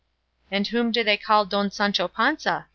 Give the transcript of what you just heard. '" "And whom do they call Don Sancho Panza?"